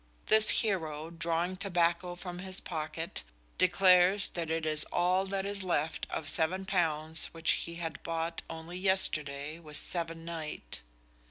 This hero, drawing tobacco from his pocket, declares that it is all that is left of seven pounds which he had bought only "yesterday was seven night."